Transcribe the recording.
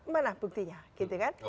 mana buktinya gitu kan